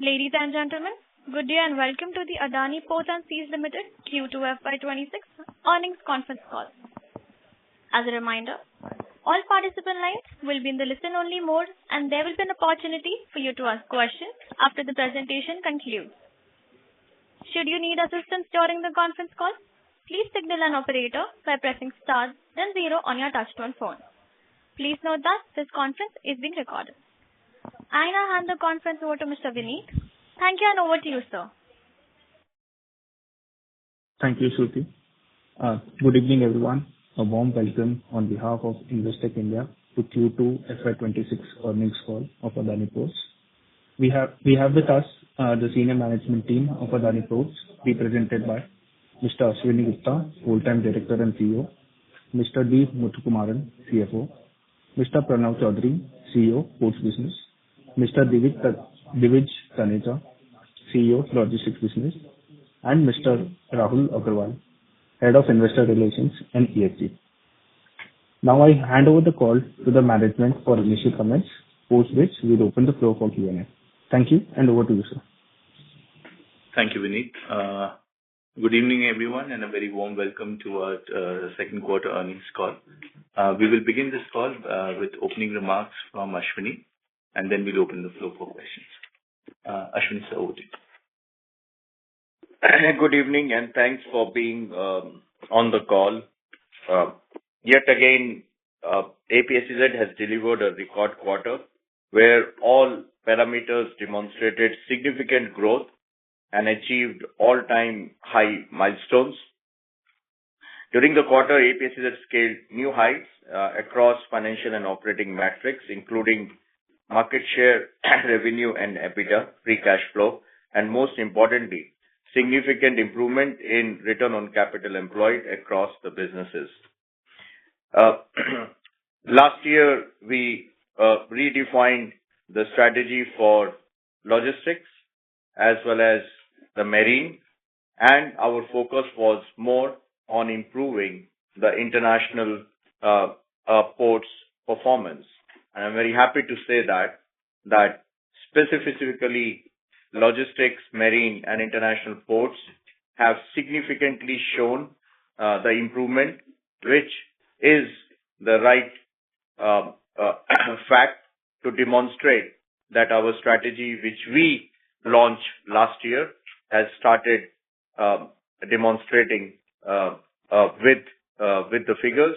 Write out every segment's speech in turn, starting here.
Ladies and gentlemen, good day and welcome to the Adani Ports and Special Economic Zone Limited Q2FY26 earnings conference call. As a reminder, all participants' lines will be in the listen-only mode, and there will be an opportunity for you to ask questions after the presentation concludes. Should you need assistance during the conference call, please signal an operator by pressing star then zero on your touch-tone phone. Please note that this conference is being recorded. I now hand the conference over to Mr. Vineet. Thank you, and over to you, sir. Thank you, Shruti. Good evening, everyone. A warm welcome on behalf of Investec India to Q2FY26 Earnings Call of Adani Ports. We have with us the senior management team of Adani Ports represented by Mr. Ashwani Gupta, full-time Director and CEO, Mr. D. Muthukumaran, CFO, Mr. Pranav Choudhary, CEO, Ports Business, Mr. Divij Taneja, CEO, Logistics Business, and Mr. Rahul Agarwal, Head of Investor Relations and ESG. Now, I hand over the call to the management for initial comments, post which we'll open the floor for Q&A. Thank you, and over to you, sir. Thank you, Vineet. Good evening, everyone, and a very warm welcome to our second quarter earnings call. We will begin this call with opening remarks from Ashwani, and then we'll open the floor for questions. Ashwani, sir, over to you. Good evening, and thanks for being on the call. Yet again, APSEZ has delivered a record quarter where all parameters demonstrated significant growth and achieved all-time high milestones. During the quarter, APSEZ scaled new heights across financial and operating metrics, including market share, revenue, and EBITDA, free cash flow, and most importantly, significant improvement in return on capital employed across the businesses. Last year, we redefined the strategy for logistics as well as the marine, and our focus was more on improving the international ports' performance, and I'm very happy to say that specifically, logistics, marine, and international ports have significantly shown the improvement, which is the right fact to demonstrate that our strategy, which we launched last year, has started demonstrating with the figures.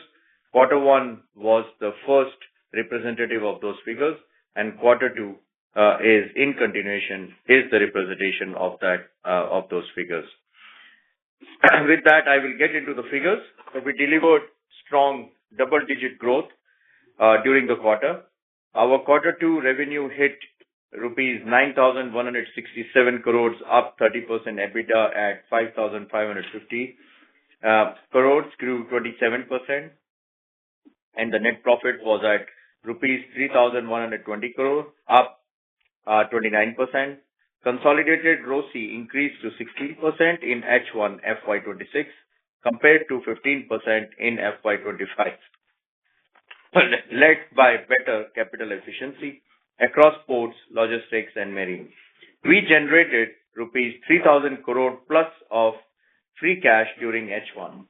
Quarter one was the first representative of those figures, and quarter two is in continuation the representation of those figures. With that, I will get into the figures. We delivered strong double-digit growth during the quarter. Our quarter two revenue hit rupees 9,167 crores, up 30%. EBITDA at 5,550 crores grew 27%, and the net profit was at rupees 3,120 crores, up 29%. Consolidated ROCE increased to 16% in H1FY26 compared to 15% in FY25, led by better capital efficiency across ports, logistics, and marine. We generated rupees 3,000 crore plus of free cash during H1.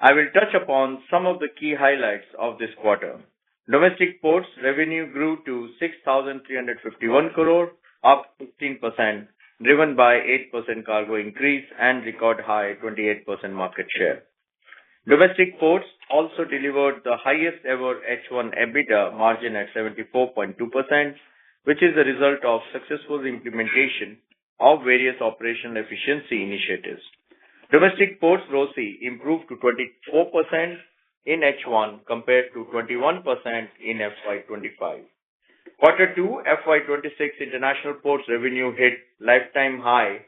I will touch upon some of the key highlights of this quarter. Domestic ports revenue grew to 6,351 crore, up 15%, driven by 8% cargo increase and record high 28% market share. Domestic ports also delivered the highest-ever H1 EBITDA margin at 74.2%, which is the result of successful implementation of various operational efficiency initiatives. Domestic ports ROCE improved to 24% in H1 compared to 21% in FY25. Quarter two FY26 international ports revenue hit lifetime high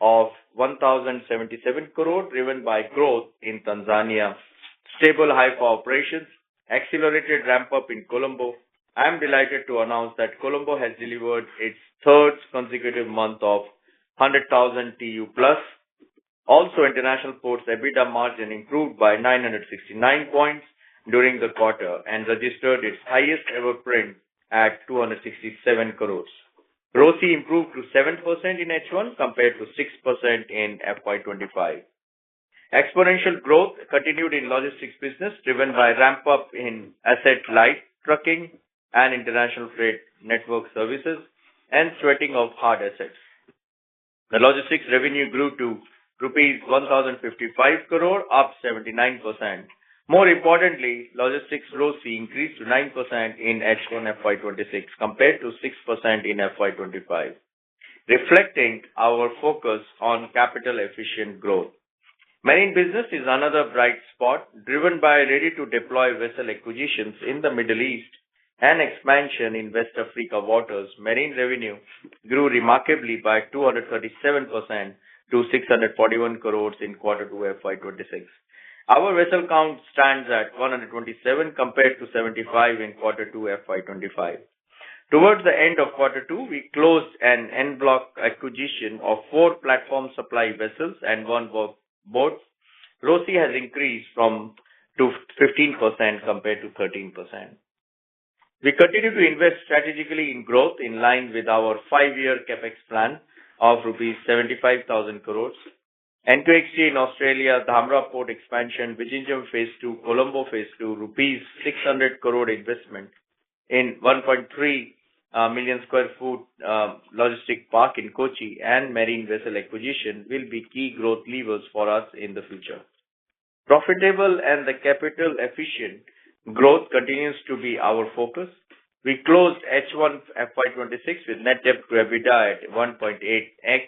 of 1,077 crore, driven by growth in Tanzania, stable Haifa operations, accelerated ramp-up in Colombo. I'm delighted to announce that Colombo has delivered its third consecutive month of 100,000 TEU plus. Also, international ports EBITDA margin improved by 969 points during the quarter and registered its highest-ever print at 267 crores. ROCE improved to 7% in H1 compared to 6% in FY25. Exponential growth continued in logistics business, driven by ramp-up in asset-light trucking and international freight network services and sweating of hard assets. The logistics revenue grew to rupees 1,055 crore, up 79%. More importantly, logistics ROCE increased to 9% in H1 FY26 compared to 6% in FY25, reflecting our focus on capital efficient growth. Marine business is another bright spot, driven by ready-to-deploy vessel acquisitions in the Middle East and expansion in West Africa waters. Marine revenue grew remarkably by 237% to 641 crores in quarter two FY26. Our vessel count stands at 127 compared to 75 in quarter two FY25. Towards the end of quarter two, we closed an en bloc acquisition of four platform supply vessels and one boat. ROCE has increased from 15% compared to 13%. We continue to invest strategically in growth in line with our five-year CapEx plan of rupees 75,000 crores. NQXT in Australia, Dhamra Port expansion, Vizhinjam Phase 2, Colombo Phase 2, rupees 600 crore investment in 1.3 million sq ft logistics park in Kochi and marine vessel acquisition will be key growth levers for us in the future. Profitable and capital efficient growth continues to be our focus. We closed H1FY26 with net debt to EBITDA at 1.8x,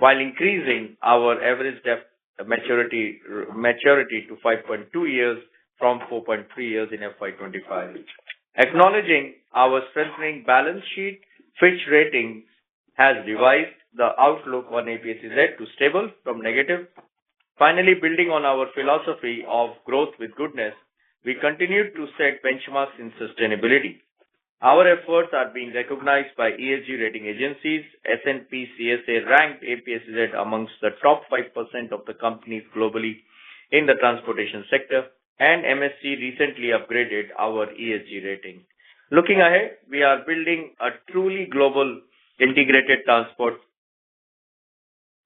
while increasing our average debt maturity to 5.2 years from 4.3 years in FY25. Acknowledging our strengthening balance sheet, Fitch Ratings has revised the outlook on APSEZ to stable from negative. Finally, building on our philosophy of growth with goodness, we continue to set benchmarks in sustainability. Our efforts are being recognized by ESG rating agencies. S&P CSA ranked APSEZ among the top 5% of the companies globally in the transportation sector, and MSCI recently upgraded our ESG rating. Looking ahead, we are building a truly global integrated transport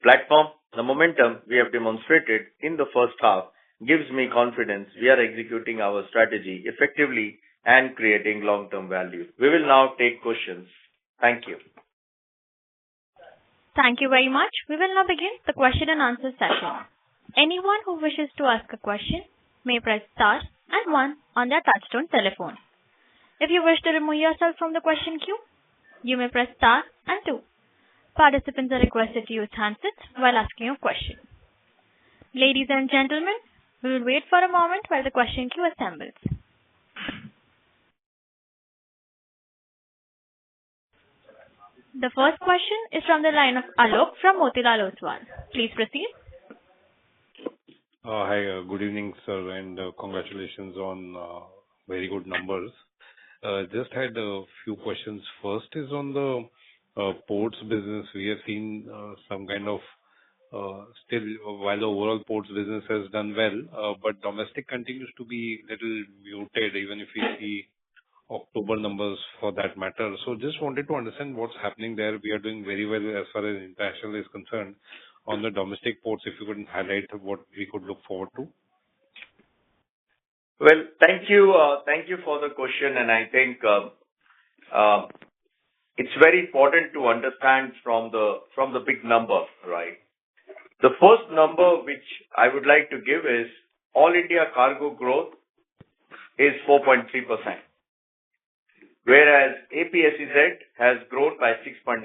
platform. The momentum we have demonstrated in the first half gives me confidence we are executing our strategy effectively and creating long-term value. We will now take questions. Thank you. Thank you very much. We will now begin the question and answer session. Anyone who wishes to ask a question may press star and one on their touch-tone telephone. If you wish to remove yourself from the question queue, you may press star and two. Participants are requested to use handsets while asking a question. Ladies and gentlemen, we will wait for a moment while the question queue assembles. The first question is from the line of Alok from Motilal Oswal. Please proceed. Hi, good evening, sir, and congratulations on very good numbers. Just had a few questions. First is on the ports business. We have seen some kind of stall, while the overall ports business has done well, but domestic continues to be a little muted, even if we see October numbers for that matter. So just wanted to understand what's happening there. We are doing very well as far as international is concerned. On the domestic ports, if you could highlight what we could look forward to. Well, thank you for the question, and I think it's very important to understand from the big numbers, right? The first number which I would like to give is all India cargo growth is 4.3%, whereas APSEZ has grown by 6.9%.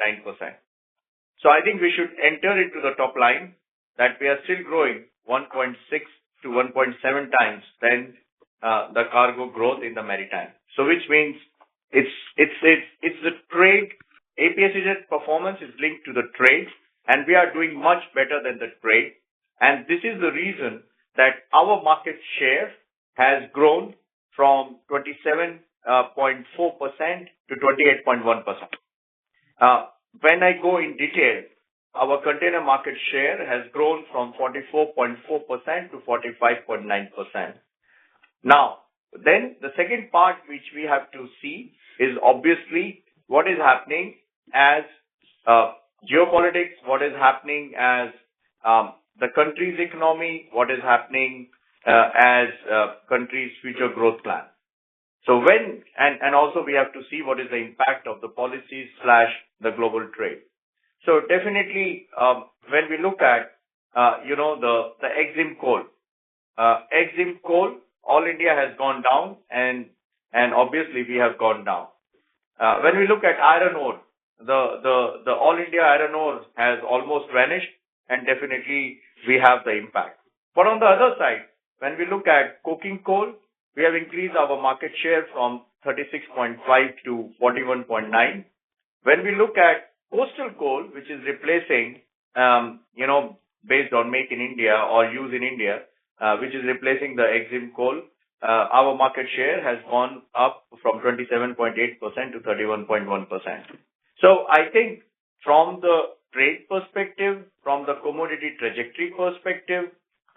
So I think we should enter into the top line that we are still growing 1.6 to 1.7 times than the cargo growth in the maritime, which means it's the trade. APSEZ performance is linked to the trade, and we are doing much better than the trade. And this is the reason that our market share has grown from 27.4% to 28.1%. When I go in detail, our container market share has grown from 44.4% to 45.9%. Now, then the second part which we have to see is obviously what is happening as geopolitics, what is happening as the country's economy, what is happening as countries' future growth plan. And also, we have to see what is the impact of the policies, the global trade. So definitely, when we look at the exim coal, exim coal, all India has gone down, and obviously, we have gone down. When we look at iron ore, the all India iron ore has almost vanished, and definitely, we have the impact. But on the other side, when we look at coking coal, we have increased our market share from 36.5% to 41.9%. When we look at coastal coal, which is replacing based on make in India or use in India, which is replacing the exim coal, our market share has gone up from 27.8% to 31.1%. So I think from the trade perspective, from the commodity trajectory perspective,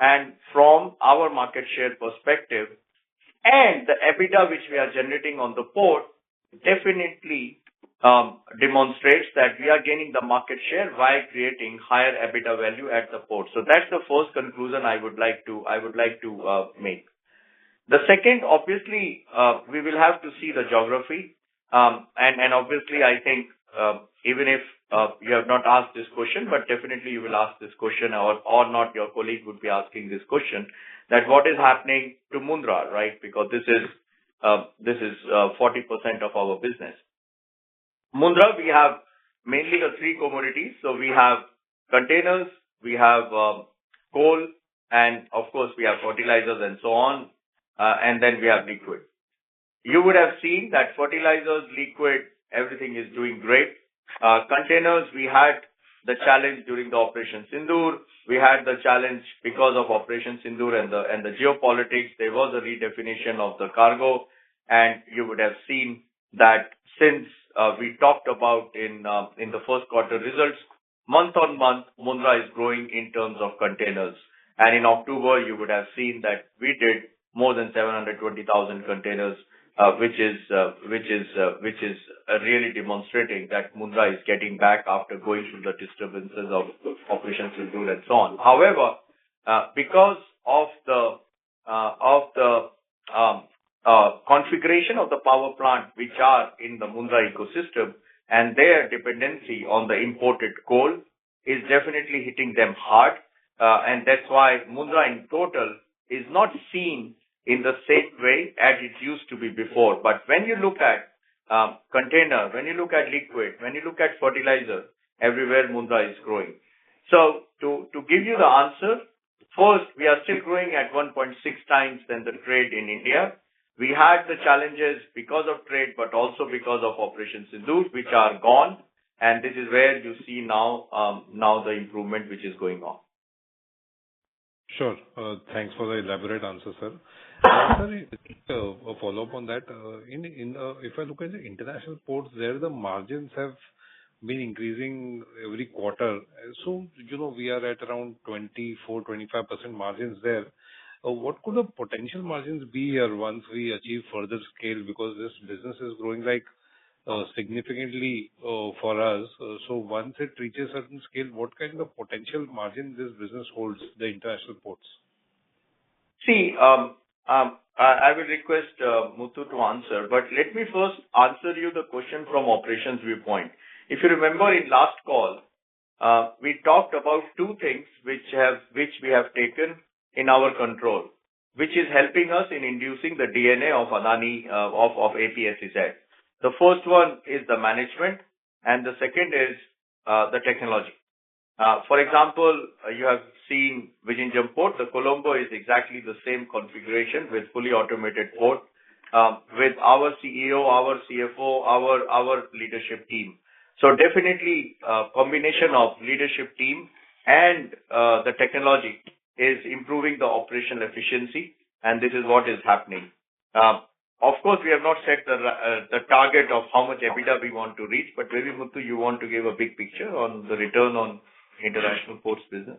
and from our market share perspective, and the EBITDA which we are generating on the port definitely demonstrates that we are gaining the market share while creating higher EBITDA value at the port. So that's the first conclusion I would like to make. The second, obviously, we will have to see the geography. And obviously, I think even if you have not asked this question, but definitely, you will ask this question, or not, your colleague would be asking this question, that what is happening to Mundra, right? Because this is 40% of our business. Mundra, we have mainly three commodities. So we have containers, we have coal, and of course, we have fertilizers and so on, and then we have liquid. You would have seen that fertilizers, liquid, everything is doing great. Containers, we had the challenge during the Operation Swords of Iron. We had the challenge because of Operation Swords of Iron and the geopolitics. There was a redefinition of the cargo, and you would have seen that since we talked about in the first quarter results, month on month, Mundra is growing in terms of containers. And in October, you would have seen that we did more than 720,000 containers, which is really demonstrating that Mundra is getting back after going through the disturbances of Operation Swords of Iron and so on. However, because of the configuration of the power plant, which are in the Mundra ecosystem, and their dependency on the imported coal is definitely hitting them hard. And that's why Mundra in total is not seen in the same way as it used to be before. But when you look at container, when you look at liquid, when you look at fertilizer, everywhere Mundra is growing. So to give you the answer, first, we are still growing at 1.6 times than the trade in India. We had the challenges because of trade, but also because of Operation Swords of Iron, which are gone. And this is where you see now the improvement which is going on. Sure. Thanks for the elaborate answer, sir. I'm sorry, a follow-up on that. If I look at the international ports, there the margins have been increasing every quarter. So we are at around 24% to 25% margins there. What could the potential margins be here once we achieve further scale? Because this business is growing significantly for us. So once it reaches certain scale, what kind of potential margin this business holds the international ports? See, I will request Muthu to answer, but let me first answer you the question from operations viewpoint. If you remember in last call, we talked about two things which we have taken in our control, which is helping us in inducing the DNA of Adani of APSEZ. The first one is the management, and the second is the technology. For example, you have seen Vizhinjam Port. The Colombo is exactly the same configuration with fully automated port with our CEO, our CFO, our leadership team. So definitely, a combination of leadership team and the technology is improving the operational efficiency, and this is what is happening. Of course, we have not set the target of how much EBITDA we want to reach, but maybe Muthu, you want to give a big picture on the return on international ports business?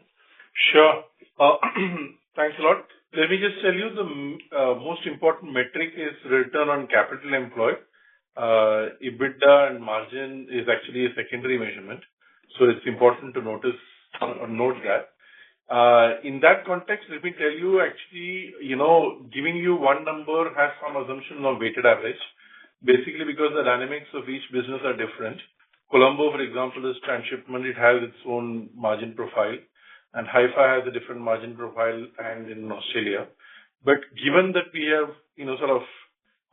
Sure. Thanks a lot. Let me just tell you the most important metric is return on capital employed. EBITDA and margin is actually a secondary measurement. So it's important to note that. In that context, let me tell you, actually, giving you one number has some assumption of weighted average, basically because the dynamics of each business are different. Colombo, for example, is transshipment. It has its own margin profile, and Haifa has a different margin profile than in Australia. But given that we have sort of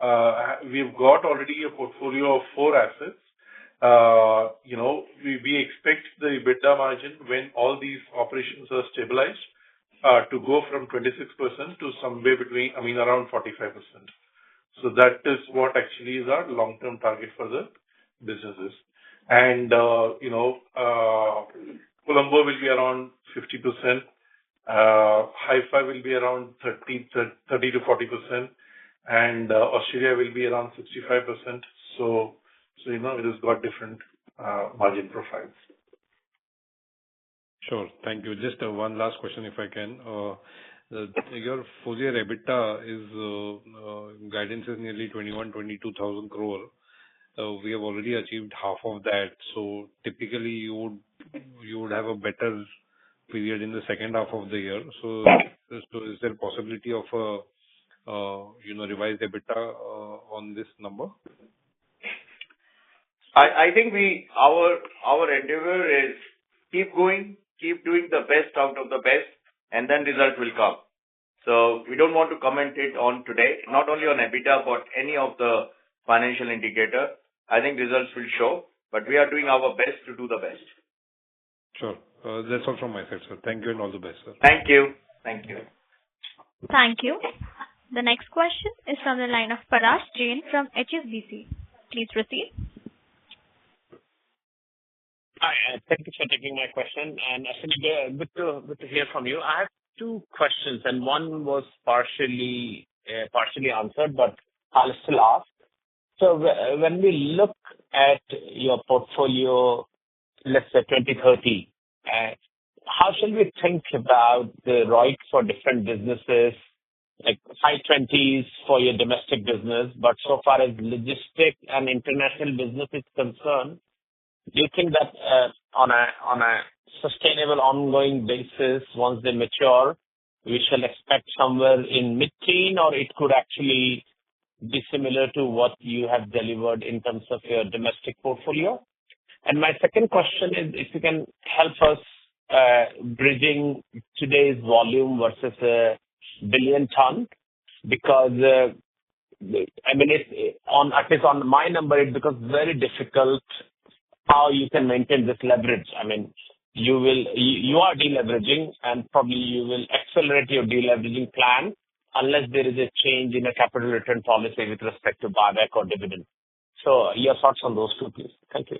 got already a portfolio of four assets, we expect the EBITDA margin when all these operations are stabilized to go from 26% to somewhere between, I mean, around 45%. So that is what actually is our long-term target for the businesses. And Colombo will be around 50%. Haifa will be around 30% to 40%, and Australia will be around 65%. So it has got different margin profiles. Sure. Thank you. Just one last question if I can. Your full year EBITDA guidance is nearly 21,000 to 22,000 crore. We have already achieved half of that. So typically, you would have a better period in the second half of the year. So is there possibility of a revised EBITDA on this number? I think our endeavor is keep going, keep doing the best out of the best, and then results will come. So we don't want to comment it on today, not only on EBITDA, but any of the financial indicator. I think results will show, but we are doing our best to do the best. Sure. That's all from my side, sir. Thank you and all the best, sir. Thank you. Thank you. Thank you. The next question is from the line of Parash Jain from HSBC. Please proceed. Hi. Thank you for taking my question. And it's good to hear from you. I have two questions, and one was partially answered, but I'll still ask. So when we look at your portfolio, let's say 2030, how should we think about the return for different businesses, like high 20s for your domestic business? But so far, as logistics and international business is concerned, do you think that on a sustainable ongoing basis, once they mature, we shall expect somewhere in mid-teen, or it could actually be similar to what you have delivered in terms of your domestic portfolio? And my second question is, if you can help us bridging today's volume versus a billion ton, because I mean, at least on my number, it becomes very difficult how you can maintain this leverage. I mean, you are deleveraging, and probably you will accelerate your deleveraging plan unless there is a change in a capital return policy with respect to buyback or dividend. So your thoughts on those two, please. Thank you.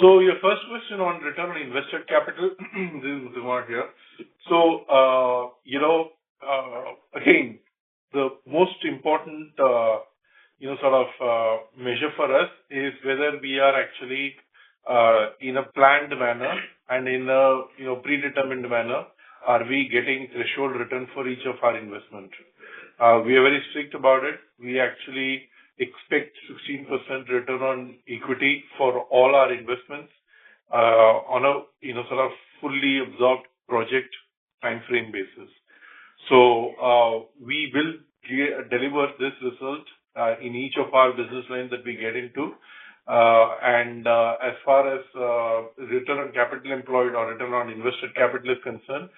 Your first question on return on invested capital, this is the one here. Again, the most important sort of measure for us is whether we are actually in a planned manner and in a predetermined manner, are we getting threshold return for each of our investments? We are very strict about it. We actually expect 16% return on equity for all our investments on a sort of fully absorbed project timeframe basis. We will deliver this result in each of our business lines that we get into. As far as return on capital employed or return on invested capital is concerned,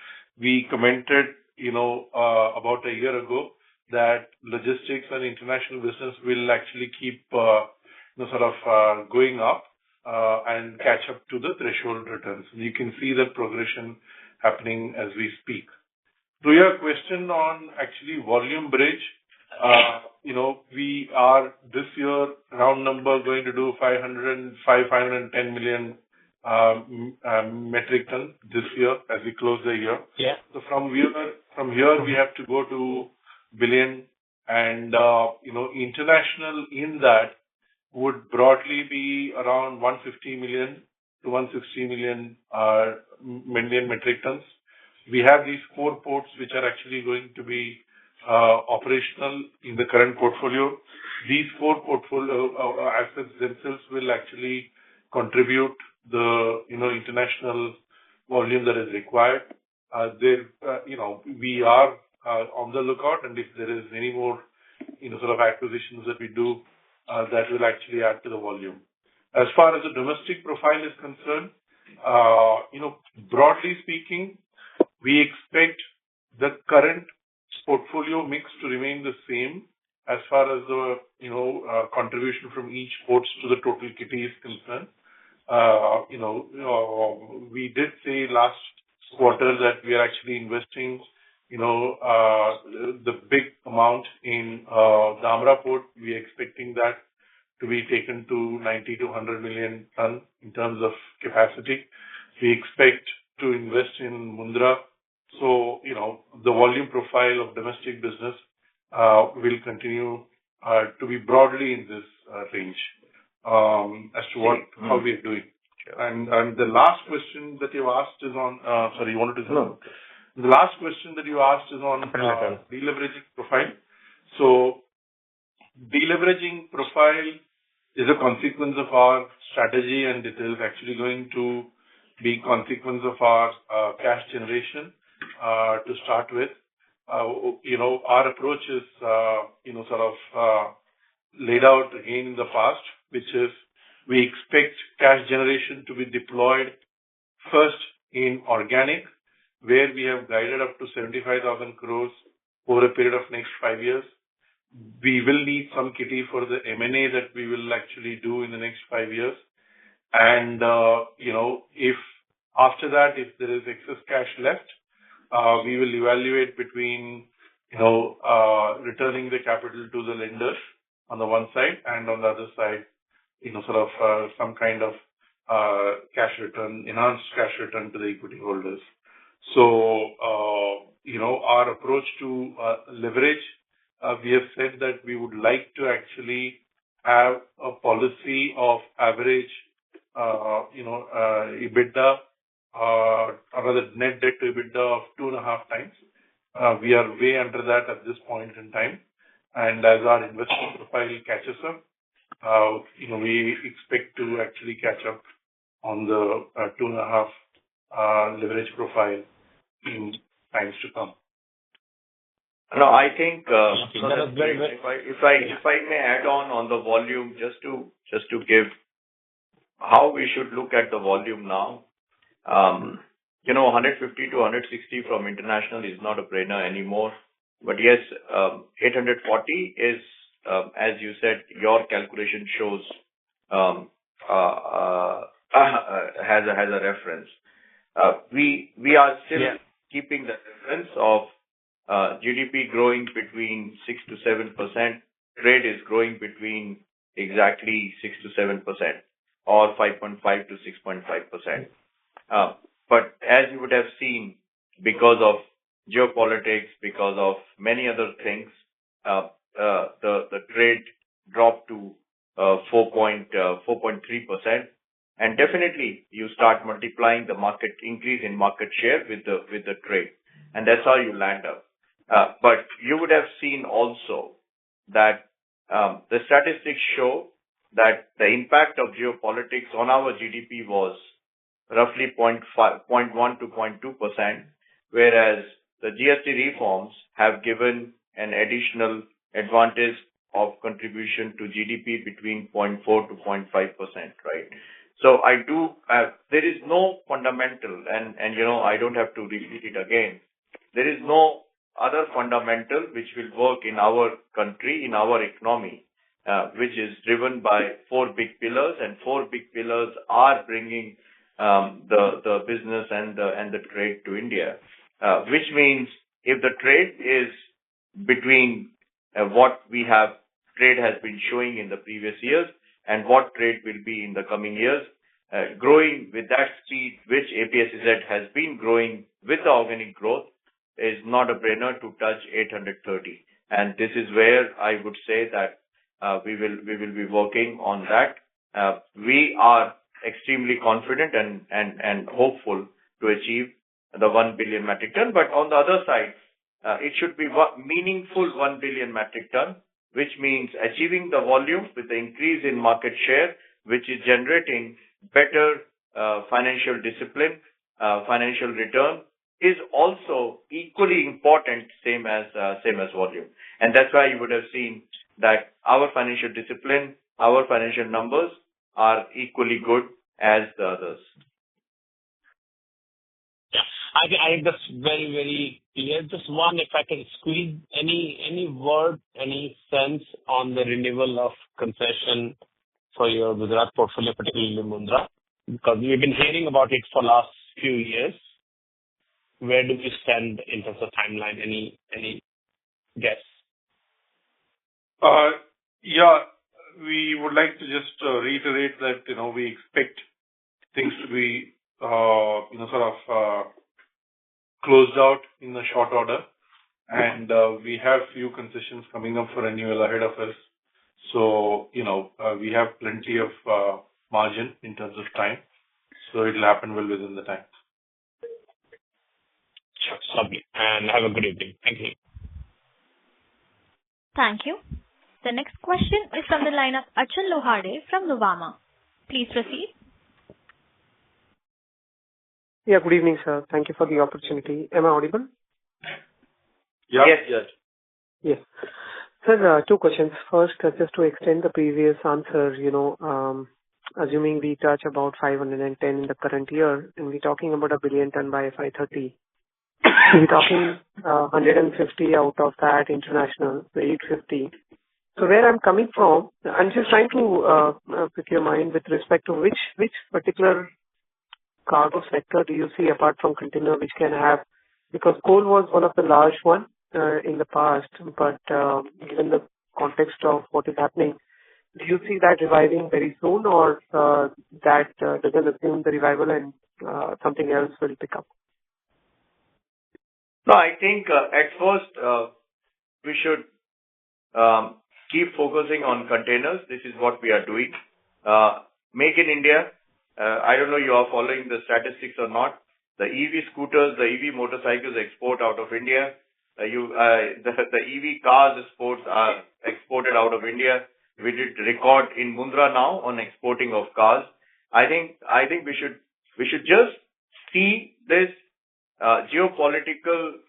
we commented about a year ago that logistics and international business will actually keep sort of going up and catch up to the threshold returns. You can see the progression happening as we speak. To your question on actually volume bridge, we are this year round number going to do 510 million metric tons this year as we close the year. From here, we have to go to billion. International in that would broadly be around 150 to 160 million metric tons. We have these four ports which are actually going to be operational in the current portfolio. These four portfolio assets themselves will actually contribute the international volume that is required. We are on the lookout, and if there is any more sort of acquisitions that we do, that will actually add to the volume. As far as the domestic profile is concerned, broadly speaking, we expect the current portfolio mix to remain the same as far as the contribution from each ports to the total kitty is concerned. We did see last quarter that we are actually investing the big amount in Dhamra Port. We are expecting that to be taken to 90-100 million tons in terms of capacity. We expect to invest in Mundra. So the volume profile of domestic business will continue to be broadly in this range as to how we are doing. And the last question that you've asked is on - sorry, you wanted to say? No. The last question that you asked is on deleveraging profile. So deleveraging profile is a consequence of our strategy, and it is actually going to be a consequence of our cash generation to start with. Our approach is sort of laid out again in the past, which is we expect cash generation to be deployed first in organic, where we have guided up to 75,000 crores over a period of next five years. We will need some kitty for the M&A that we will actually do in the next five years. After that, if there is excess cash left, we will evaluate between returning the capital to the lenders on the one side and on the other side, sort of some kind of cash return, enhanced cash return to the equity holders. Our approach to leverage, we have said that we would like to actually have a policy of average EBITDA or rather net debt to EBITDA of two and a half times. We are way under that at this point in time. As our investment profile catches up, we expect to actually catch up on the two and a half leverage profile in times to come. No, I think. So that's very good. If I may add on the volume, just to give how we should look at the volume now, 150-160 from international is not a brainer anymore. But yes, 840 is, as you said, your calculation shows has a reference. We are still keeping the difference of GDP growing between 6% to 7%. Trade is growing between exactly 6% to 7% or 5.5% to 6.5%. But as you would have seen, because of geopolitics, because of many other things, the trade dropped to 4.3%. And definitely, you start multiplying the market increase in market share with the trade, and that's how you land up. But you would have seen also that the statistics show that the impact of geopolitics on our GDP was roughly 0.1% to 0.2%, whereas the GST reforms have given an additional advantage of contribution to GDP between 0.4% to 0.5%, right? So there is no fundamental, and I don't have to repeat it again. There is no other fundamental which will work in our country, in our economy, which is driven by four big pillars, and four big pillars are bringing the business and the trade to India, which means if the trade is between what we have trade has been showing in the previous years and what trade will be in the coming years, growing with that speed, which APSEZ has been growing with organic growth, is not a brainer to touch 830. And this is where I would say that we will be working on that. We are extremely confident and hopeful to achieve the one billion metric ton. But on the other side, it should be meaningful one billion metric ton, which means achieving the volume with the increase in market share, which is generating better financial discipline. Financial return is also equally important, same as volume. And that's why you would have seen that our financial discipline, our financial numbers are equally good as the others. I think that's very, very clear. Just one, if I can squeeze any word, any sense on the renewal of concession for your Gujarat portfolio, particularly Mundra, because we've been hearing about it for the last few years. Where do we stand in terms of timeline? Any guess? Yeah. We would like to just reiterate that we expect things to be sort of closed out in a short order, and we have few concessions coming up for renewal ahead of us, so we have plenty of margin in terms of time, so it will happen well within the time. Sure. Thank you. And have a good evening. Thank you. Thank you. The next question is from the line of Achal Lohade from Nuvama. Please proceed. Yeah. Good evening, sir. Thank you for the opportunity. Am I audible? Yes. Yes. Yes. Yes. Sir, two questions. First, just to extend the previous answer, assuming we touch about 510 in the current year, and we're talking about a billion ton by FY30, we're talking 150 out of that international, the 850. So where I'm coming from, I'm just trying to pick your mind with respect to which particular cargo sector do you see apart from container, which can have, because coal was one of the large ones in the past, but given the context of what is happening, do you see that reviving very soon, or does that assume the revival and something else will pick up? No, I think at first, we should keep focusing on containers. This is what we are doing. Make in India, I don't know you are following the statistics or not. The EV scooters, the EV motorcycles export out of India. The EV cars exported out of India. We did record in Mundra now on exporting of cars. I think we should just see this geopolitical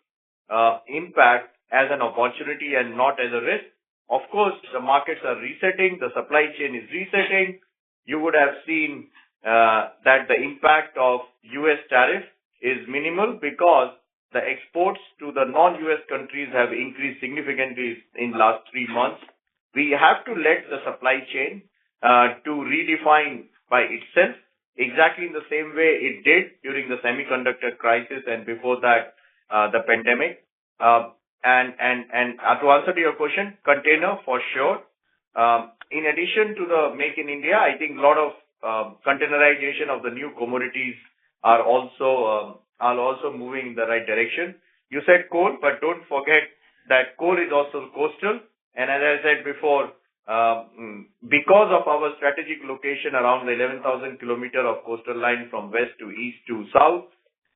impact as an opportunity and not as a risk. Of course, the markets are resetting. The supply chain is resetting. You would have seen that the impact of U.S. tariff is minimal because the exports to the non-U.S. countries have increased significantly in the last three months. We have to let the supply chain redefine by itself exactly in the same way it did during the semiconductor crisis and before the pandemic, and to answer your question, container for sure. In addition to the Make in India, I think a lot of containerization of the new commodities are also moving in the right direction. You said coal, but don't forget that coal is also coastal. And as I said before, because of our strategic location around 11,000 kilometers of coastal line from west to east to south,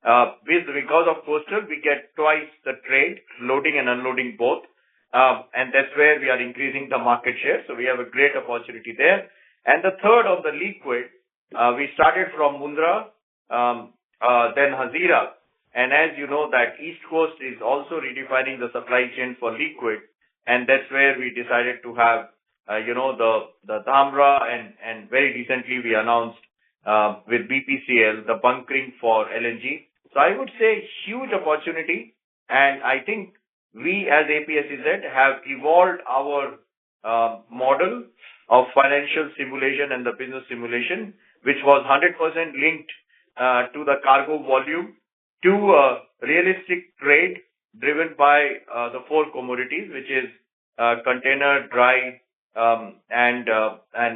because of coastal, we get twice the trade, loading and unloading both. And that's where we are increasing the market share. So we have a great opportunity there. And the third of the liquid, we started from Mundra, then Hazira. And as you know, that East Coast is also redefining the supply chain for liquid. And that's where we decided to have the Dhamra. And very recently, we announced with BPCL the bunkering for LNG. So I would say huge opportunity. I think we as APSEZ have evolved our model of financial simulation and the business simulation, which was 100% linked to the cargo volume to a realistic trade driven by the four commodities, which is container, dry, and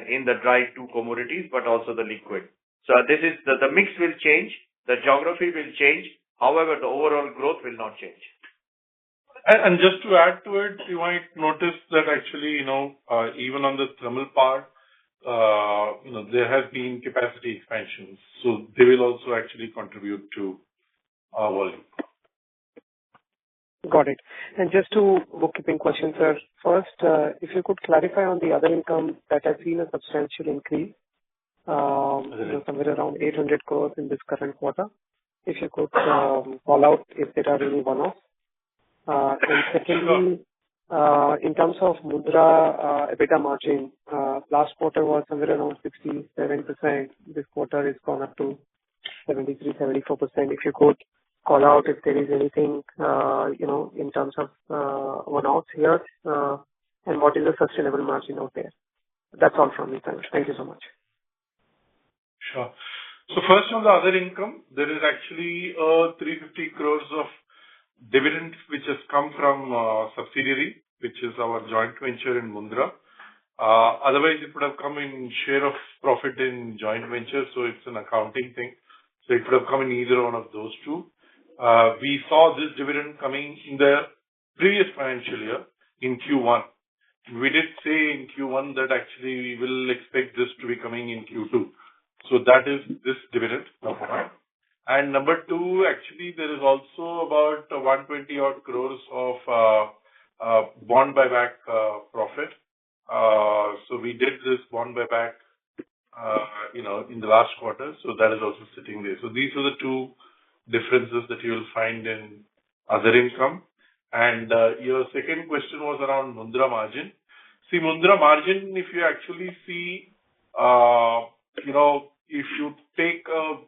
in the dry two commodities, but also the liquid, so the mix will change. The geography will change. However, the overall growth will not change. Just to add to it, you might notice that actually, even on the thermal part, there have been capacity expansions. They will also actually contribute to our volume. Got it. And just two bookkeeping questions, sir. First, if you could clarify on the other income that has seen a substantial increase, somewhere around 800 crores in this current quarter, if you could call out if it has any one-off. And secondly, in terms of Mundra EBITDA margin, last quarter was somewhere around 67%. This quarter has gone up to 73-74%. If you could call out if there is anything in terms of one-offs here, and what is the sustainable margin out there? That's all from me, sir. Thank you so much. Sure. So first, on the other income, there is actually 350 crores of dividend, which has come from subsidiary, which is our joint venture in Mundra. Otherwise, it would have come in share of profit in joint venture, so it's an accounting thing. So it would have come in either one of those two. We saw this dividend coming in the previous financial year in Q1. We did say in Q1 that actually we will expect this to be coming in Q2. So that is this dividend. And number two, actually, there is also about 120-odd crores of bond buyback profit. So we did this bond buyback in the last quarter, so that is also sitting there. So these are the two differences that you will find in other income. And your second question was around Mundra margin. See, Mundra margin, if you actually see, if you take a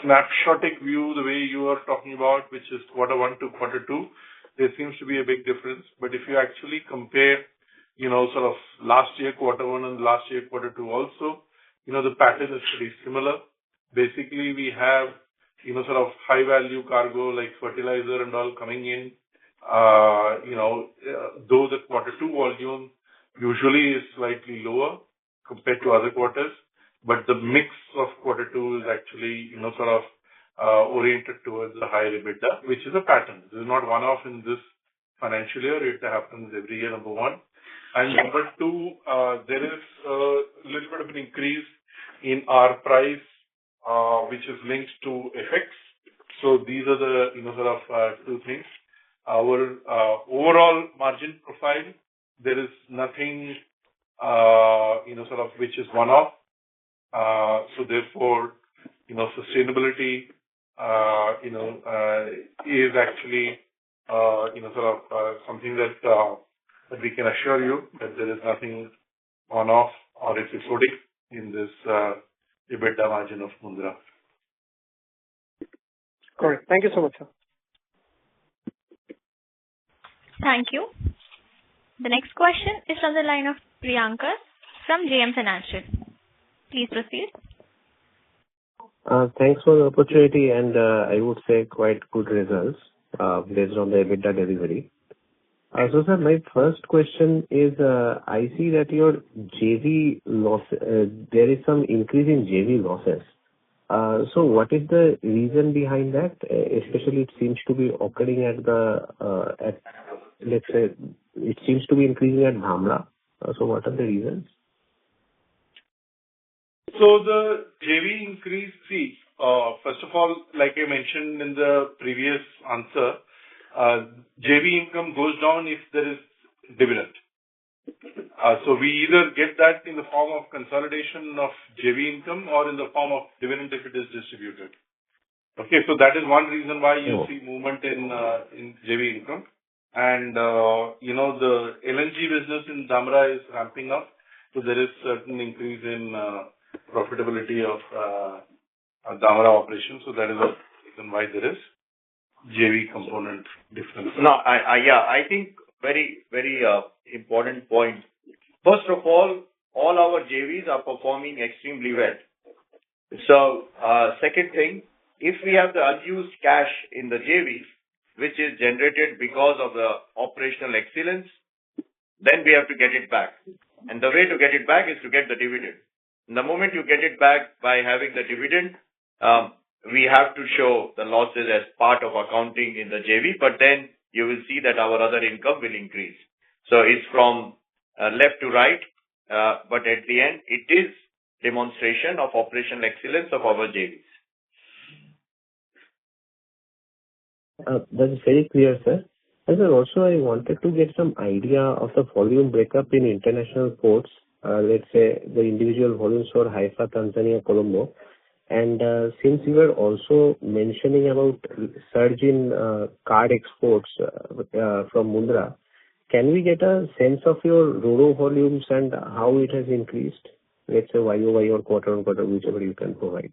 snapshot view the way you are talking about, which is quarter one to quarter two, there seems to be a big difference. But if you actually compare sort of last year quarter one and last year quarter two also, the pattern is pretty similar. Basically, we have sort of high-value cargo like fertilizer and all coming in. Though the quarter two volume usually is slightly lower compared to other quarters, but the mix of quarter two is actually sort of oriented towards the high EBITDA, which is a pattern. This is not one-off in this financial year. It happens every year, number one. And number two, there is a little bit of an increase in our price, which is linked to effects. So these are the sort of two things. Our overall margin profile, there is nothing sort of which is one-off. So therefore, sustainability is actually sort of something that we can assure you that there is nothing one-off or episodic in this EBITDA margin of Mundra. Great. Thank you so much, sir. Thank you. The next question is from the line of Priyankar from JM Financial. Please proceed. Thanks for the opportunity. And I would say quite good results based on the EBITDA delivery. So sir, my first question is, I see that there is some increase in JV losses. So what is the reason behind that? Especially, it seems to be operating at the, let's say, it seems to be increasing at Dhamra. So what are the reasons? So the JV increase, see, first of all, like I mentioned in the previous answer, JV income goes down if there is dividend. So we either get that in the form of consolidation of JV income or in the form of dividend if it is distributed. Okay. So that is one reason why you see movement in JV income. And the LNG business in Dhamra is ramping up. So there is certain increase in profitability of Dhamra operations. So that is why there is JV component difference. No, yeah. I think very, very important point. First of all, all our JVs are performing extremely well. So second thing, if we have the unused cash in the JVs, which is generated because of the operational excellence, then we have to get it back. And the way to get it back is to get the dividend. The moment you get it back by having the dividend, we have to show the losses as part of accounting in the JV, but then you will see that our other income will increase. So it's from left to right, but at the end, it is demonstration of operational excellence of our JVs. That is very clear, sir. And sir, also, I wanted to get some idea of the volume breakup in international ports. Let's say the individual volumes for Haifa, Tanzania, Colombo. And since you were also mentioning about surge in car exports from Mundra, can we get a sense of your Ro-Ro volumes and how it has increased? Let's say YOY or quarter on quarter, whichever you can provide.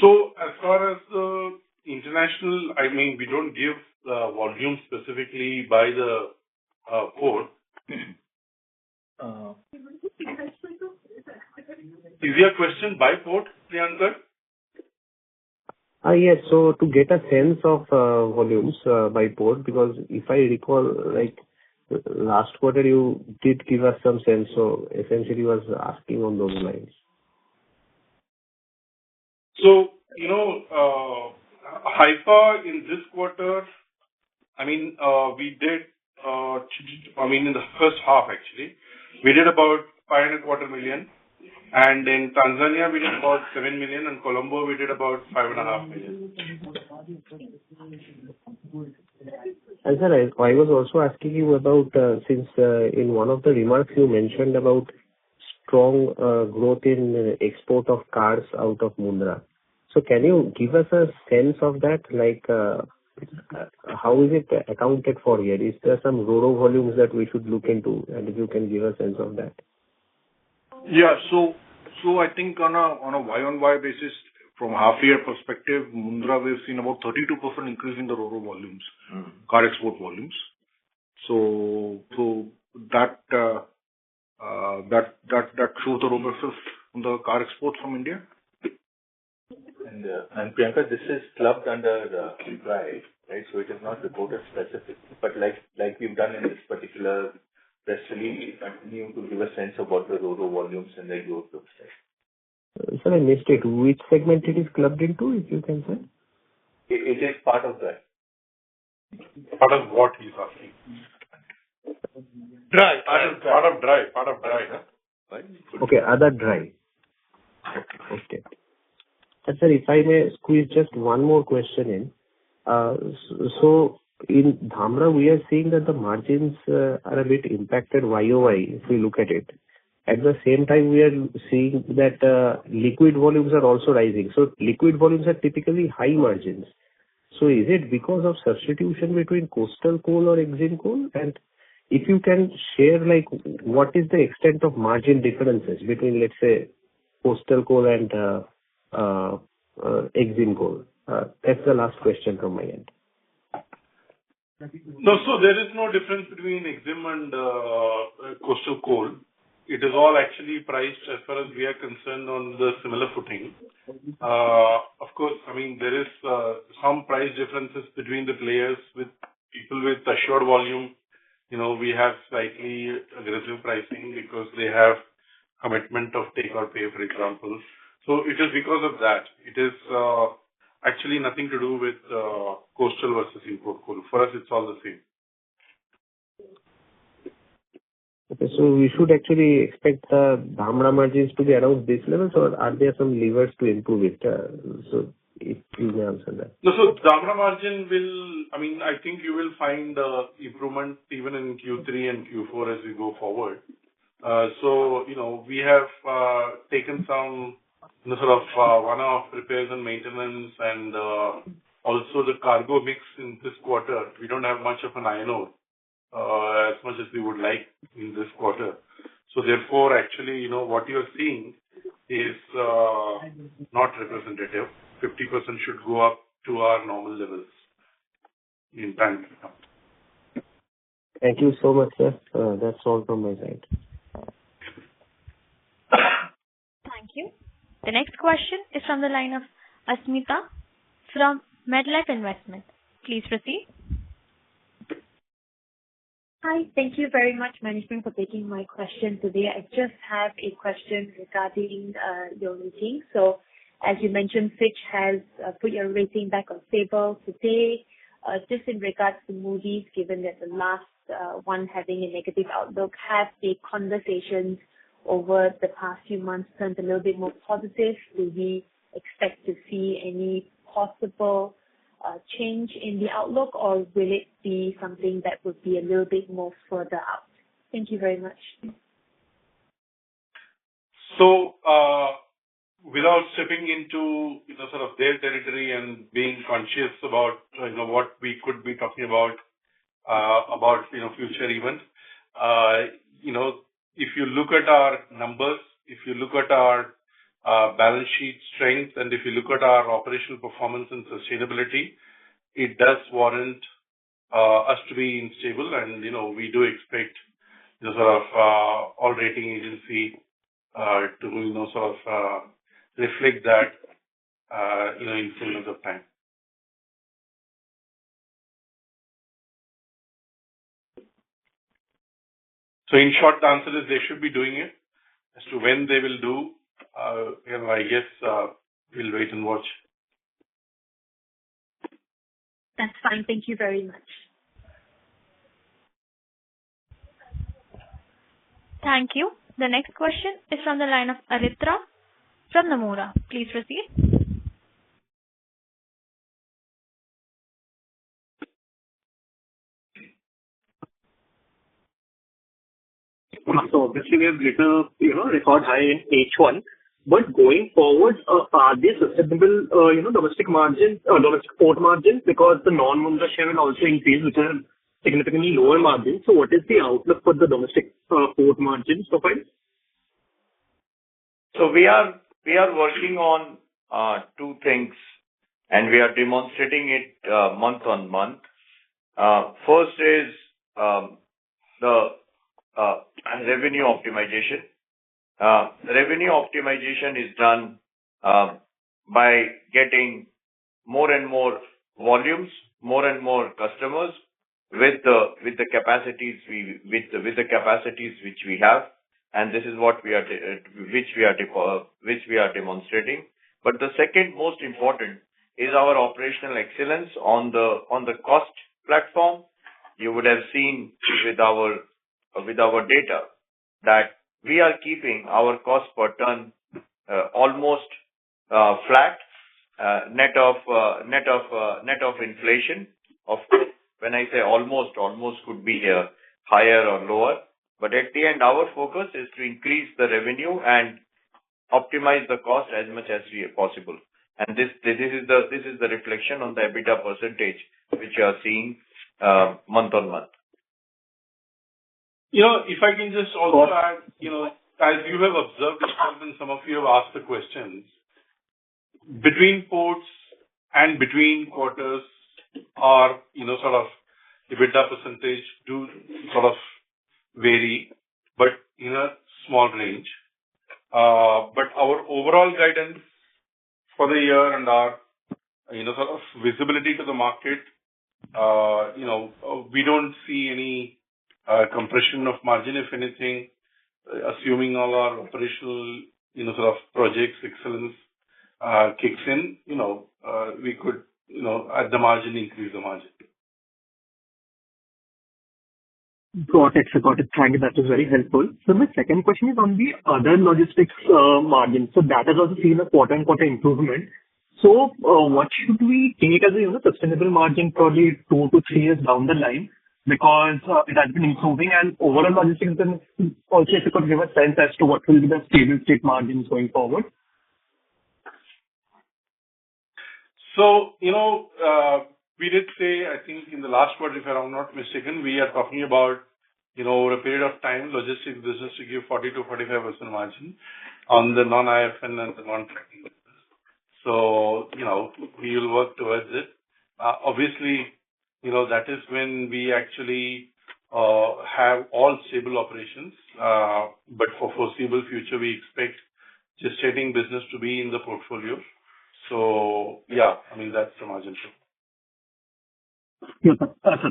So, as far as the international, I mean, we don't give volume specifically by the port. Is your question by port, Priyankar? Yes. So to get a sense of volumes by port, because if I recall, last quarter, you did give us some sense. So essentially, it was asking on those lines. So Haifa in this quarter, I mean, we did, I mean, in the first half, actually, we did about 5.25 million. And in Tanzania, we did about 7 million. In Colombo, we did about 5.5 million. And sir, I was also asking you about, since in one of the remarks, you mentioned about strong growth in export of cars out of Mundra. So can you give us a sense of that? How is it accounted for here? Is there some Ro-Ro volumes that we should look into? And if you can give us a sense of that. Yeah. So I think on a YOY basis, from half-year perspective, Mundra, we've seen about 32% increase in the Ro-Ro volumes, car export volumes. So that shows the robustness of the car exports from India. Priyankar, this is clubbed under dry, right? It is not reported specifically. Like we've done in this particular, especially, I need you to give a sense of what the Ro-Ro volumes and their growth looks like. Sir, I missed it. Which segment it is clubbed into, if you can say? It is part of dry. Part of what he's asking. Dry, part of dry. Part of dry, huh? Sir, if I may squeeze just one more question in. So in Dhamra, we are seeing that the margins are a bit impacted YOY if we look at it. At the same time, we are seeing that liquid volumes are also rising. So liquid volumes are typically high margins. So is it because of substitution between coastal coal or Exim coal? And if you can share, what is the extent of margin differences between, let's say, coastal coal and Exim coal? That's the last question from my end. No, sir, there is no difference between Exim and coastal coal. It is all actually priced as far as we are concerned on the similar footing. Of course, I mean, there is some price differences between the players. With people with assured volume, we have slightly aggressive pricing because they have commitment of take or pay, for example. So it is because of that. It is actually nothing to do with coastal versus import coal. For us, it's all the same. Okay. So we should actually expect the Dhamra margins to be around this level, or are there some levers to improve it? So if you may answer that. No, sir, Dhamra margin will, I mean, I think you will find improvement even in Q3 and Q4 as we go forward. So we have taken some sort of one-off repairs and maintenance, and also the cargo mix in this quarter, we don't have much of an iron ore as much as we would like in this quarter. So therefore, actually, what you are seeing is not representative. 50% should go up to our normal levels in time. Thank you so much, sir. That's all from my side. Thank you. The next question is from the line of Asmita from MetLife Investment Management. Please proceed. Hi. Thank you very much, Management, for taking my question today. I just have a question regarding your ratings, so as you mentioned, Fitch has put your rating back on stable today. Just in regards to Moody's, given that the last one having a negative outlook, have the conversations over the past few months turned a little bit more positive? Do we expect to see any possible change in the outlook, or will it be something that would be a little bit more further out? Thank you very much. So without stepping into sort of their territory and being conscious about what we could be talking about future events, if you look at our numbers, if you look at our balance sheet strength, and if you look at our operational performance and sustainability, it does warrant us to be in stable. And we do expect sort of all rating agencies to sort of reflect that in some length of time. So in short, the answer is they should be doing it. As to when they will do, I guess we'll wait and watch. That's fine. Thank you very much. Thank you. The next question is from the line of Aritra from Nomura. Please proceed. So obviously, we have a record high in H1. But going forward, are they sustainable domestic margins, domestic port margins? Because the non-Mundra share will also increase with a significantly lower margin. So what is the outlook for the domestic port margin profile? So we are working on two things, and we are demonstrating it month on month. First is the revenue optimization. Revenue optimization is done by getting more and more volumes, more and more customers with the capacities which we have. And this is what we are demonstrating. But the second most important is our operational excellence on the cost platform. You would have seen with our data that we are keeping our cost per ton almost flat net of inflation. Of course, when I say almost, almost could be higher or lower. But at the end, our focus is to increase the revenue and optimize the cost as much as possible. And this is the reflection on the EBITDA percentage which you are seeing month on month. If I can just also add, as you have observed yourself and some of you have asked the questions, between ports and between quarters are sort of EBITDA percentages do sort of vary, but in a small range, but our overall guidance for the year and our sort of visibility to the market, we don't see any compression of margin, if anything, assuming all our operational sort of project excellence kicks in, we could, at the margin, increase the margin. Got it. Got it. Thank you. That is very helpful. So my second question is on the other logistics margin. So that has also seen a quarter on quarter improvement. So what should we take as a sustainable margin probably two to three years down the line? Because it has been improving, and overall logistics also if you could give a sense as to what will be the stable state margins going forward? So we did say, I think in the last quarter, if I'm not mistaken, we are talking about over a period of time, logistics business to give 40%-45% margin on the non-IFN and the non-trading business. So we will work towards it. Obviously, that is when we actually have all stable operations. But for foreseeable future, we expect just trading business to be in the portfolio. So yeah, I mean, that's the margin too. So,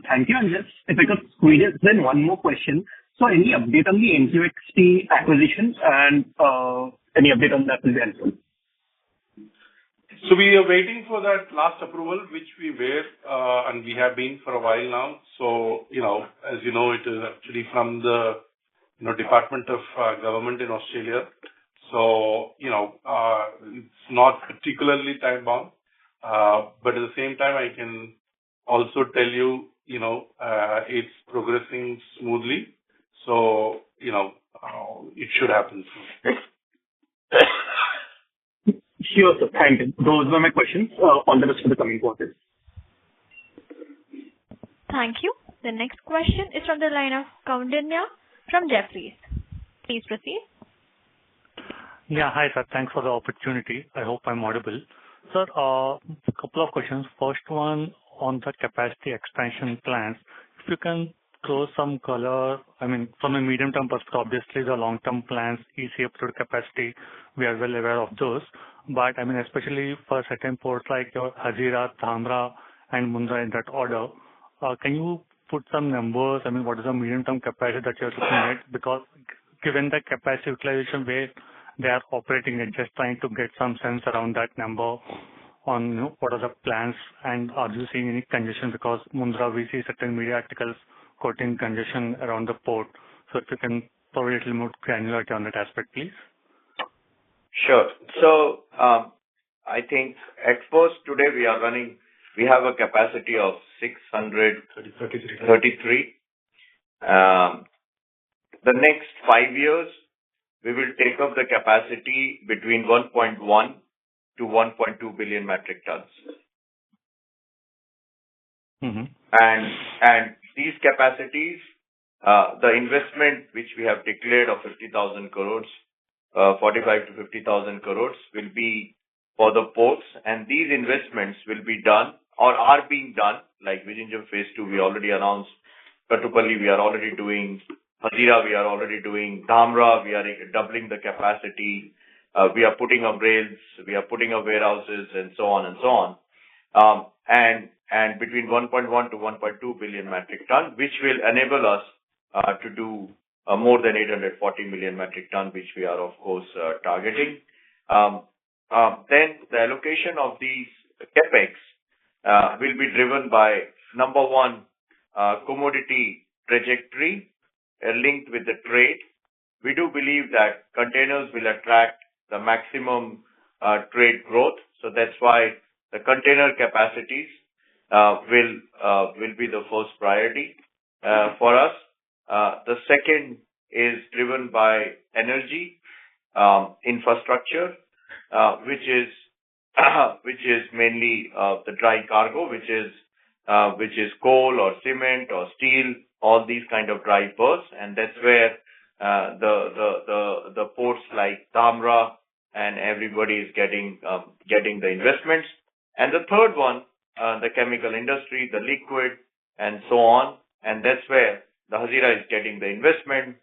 thank you. And just if I could squeeze it, then one more question. So, any update on the NQXT acquisition? And any update on that will be helpful. So we are waiting for that last approval, which we were and we have been for a while now. So as you know, it is actually from the government department in Australia. So it's not particularly time-bound. But at the same time, I can also tell you it's progressing smoothly. So it should happen soon. Here also. Thank you. Those were my questions on the list for the coming quarter. Thank you. The next question is from the line of Koundinya from Jefferies. Please proceed. Yeah. Hi sir. Thanks for the opportunity. I hope I'm audible. Sir, a couple of questions. First one on the capacity expansion plans. If you can throw some color, I mean, from a medium-term perspective, obviously, the long-term plans, capex to the capacity, we are well aware of those. But I mean, especially for certain ports like Hazira, Dhamra, and Mundra in that order, can you put some numbers? I mean, what is the medium-term capacity that you're looking at? Because given the capacity utilization way they are operating, and just trying to get some sense around that number on what are the plans, and are you seeing any congestion? Because Mundra, we see certain media articles quoting congestion around the port. So if you can provide a little more granularity on that aspect, please. Sure. So I think exports today, we are running. We have a capacity of 633. 33. The next five years, we will take off the capacity between 1.1-1.2 billion metric tons. These capacities, the investment which we have declared of ₹50,000 crores, ₹45,000-50,000 crores, will be for the ports. These investments will be done or are being done, like Vizhinjam Phase 2, we already announced. Kattupalli, we are already doing. Hazira, we are already doing. Dhamra, we are doubling the capacity. We are putting up rails. We are putting up warehouses, and so on and so on. Between 1.1-1.2 billion metric ton, which will enable us to do more than 840 million metric ton, which we are, of course, targeting. Then the allocation of these CapEx will be driven by, number one, commodity trajectory linked with the trade. We do believe that containers will attract the maximum trade growth. So that's why the container capacities will be the first priority for us. The second is driven by energy infrastructure, which is mainly the dry cargo, which is coal or cement or steel, all these kind of dry berths. And that's where the ports like Dhamra and everybody is getting the investments. And the third one, the chemical industry, the liquid, and so on. And that's where the Hazira is getting the investment.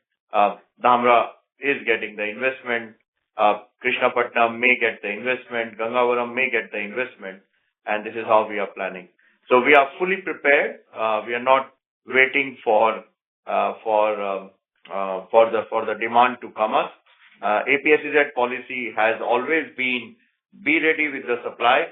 Dhamra is getting the investment. Krishnapatnam may get the investment. Gangavaram may get the investment. And this is how we are planning. So we are fully prepared. We are not waiting for the demand to come up. APSEZ policy has always been be ready with the supply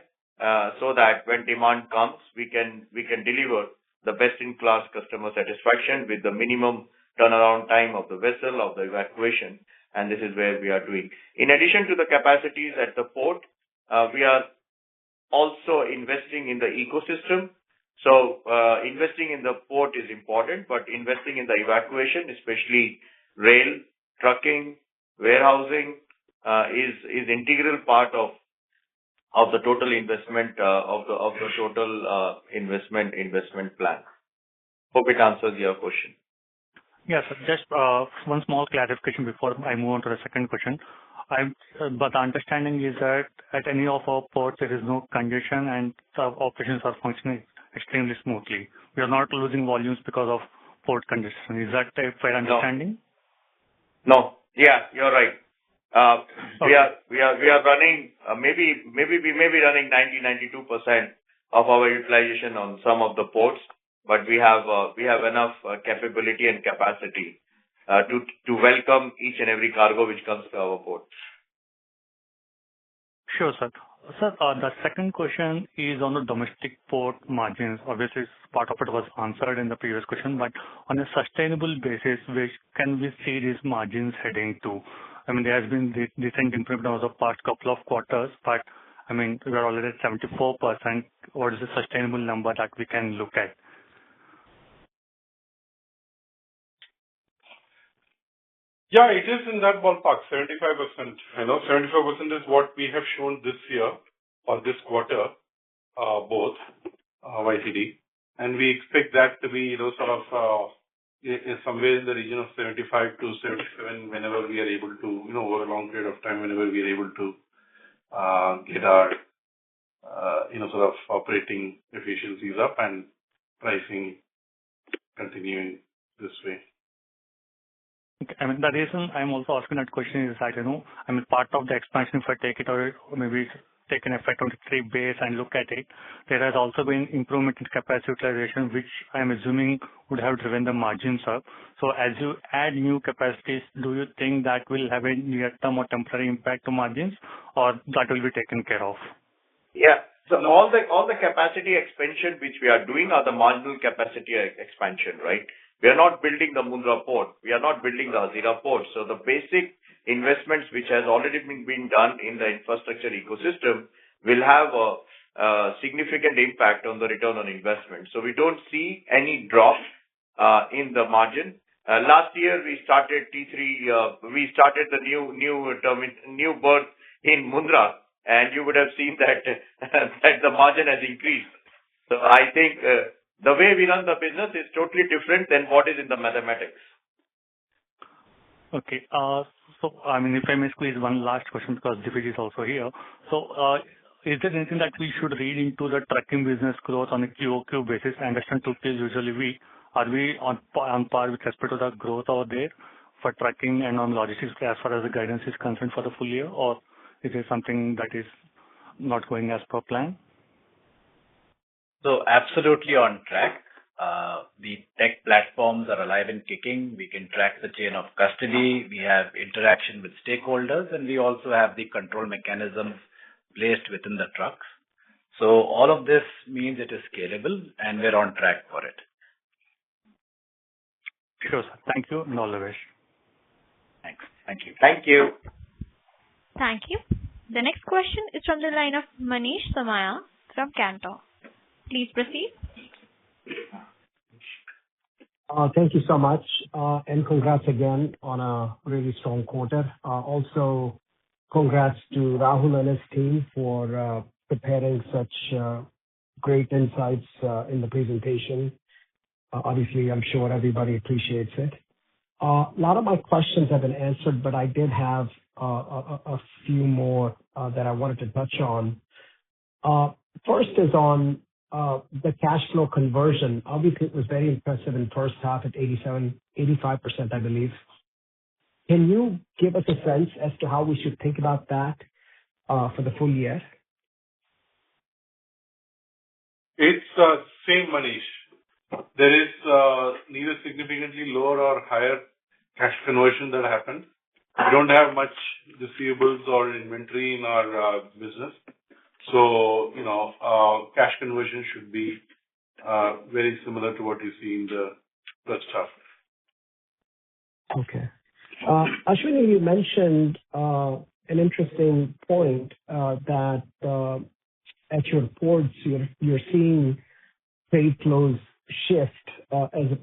so that when demand comes, we can deliver the best-in-class customer satisfaction with the minimum turnaround time of the vessel, of the evacuation. And this is where we are doing. In addition to the capacities at the port, we are also investing in the ecosystem. So investing in the port is important, but investing in the evacuation, especially rail, trucking, warehousing, is an integral part of the total investment plan. Hope it answers your question. Yes. Just one small clarification before I move on to the second question. But the understanding is that at any of our ports, there is no congestion, and our operations are functioning extremely smoothly. We are not losing volumes because of port congestion. Is that a fair understanding? No. Yeah. You're right. We are running, maybe we may be running 90%-92% of our utilization on some of the ports, but we have enough capability and capacity to welcome each and every cargo which comes to our port. Sure, sir. Sir, the second question is on the domestic port margins. Obviously, part of it was answered in the previous question, but on a sustainable basis, which can we see these margins heading to? I mean, there has been decent improvement over the past couple of quarters, but I mean, we are already at 74%. What is the sustainable number that we can look at? Yeah. It is in that ballpark, 75%. I know 75% is what we have shown this year or this quarter, both YoY and QoQ. And we expect that to be sort of somewhere in the region of 75% to 77%, whenever we are able to, over a long period of time, whenever we are able to get our sort of operating efficiencies up and pricing continuing this way. I mean, the reason I'm also asking that question is that I know I'm a part of the expansion, if I take it or maybe take an effect on the trade base and look at it. There has also been improvement in capacity utilization, which I'm assuming would have driven the margins up. So as you add new capacities, do you think that will have a near-term or temporary impact on margins, or that will be taken care of? Yeah. So all the capacity expansion which we are doing are the marginal capacity expansion, right? We are not building the Mundra Port. We are not building the Hazira Port. So the basic investments which have already been done in the infrastructure ecosystem will have a significant impact on the return on investment. So we don't see any drop in the margin. Last year, we started T3. We started the new berth in Mundra, and you would have seen that the margin has increased. So I think the way we run the business is totally different than what is in the mathematics. Okay. So I mean, if I may squeeze one last question because Divij is also here. So is there anything that we should read into the trucking business growth on a QOQ basis? I understand Q2 is usually weak. Are we on par with respect to the growth over there for trucking and on logistics as far as the guidance is concerned for the full year, or is there something that is not going as per plan? Absolutely on track. The tech platforms are alive and kicking. We can track the chain of custody. We have interaction with stakeholders, and we also have the control mechanisms placed within the trucks. All of this means it is scalable, and we're on track for it. Sure, sir. Thank you. No other question. Thank you. Thank you. Thank you. The next question is from the line of Manish Somaiya from Cantor. Please proceed. Thank you so much. And congrats again on a really strong quarter. Also, congrats to Rahul and his team for preparing such great insights in the presentation. Obviously, I'm sure everybody appreciates it. A lot of my questions have been answered, but I did have a few more that I wanted to touch on. First is on the cash flow conversion. Obviously, it was very impressive in the first half at 85%, I believe. Can you give us a sense as to how we should think about that for the full year? It's the same, Manish. There is neither significantly lower nor higher cash conversion that happened. We don't have much receivables or inventory in our business. So cash conversion should be very similar to what you see in the first half. Okay. Ashwani, you mentioned an interesting point that at your ports, you're seeing trade flows shift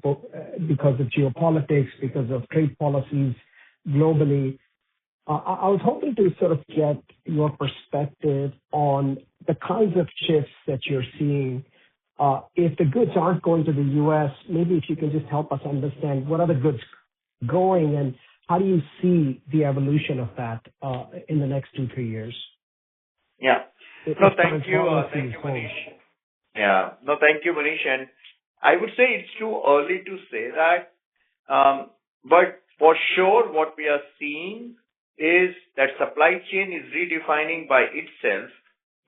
because of geopolitics, because of trade policies globally. I was hoping to sort of get your perspective on the kinds of shifts that you're seeing. If the goods aren't going to the U.S., maybe if you can just help us understand, what are the goods going, and how do you see the evolution of that in the next two, three years? Yeah. No, thank you. Thank you, Manish. Yeah. No, thank you, Manish. And I would say it's too early to say that. But for sure, what we are seeing is that supply chain is redefining by itself